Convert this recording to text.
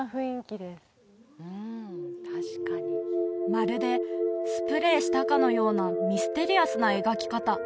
まるでスプレーしたかのようなミステリアスな描き方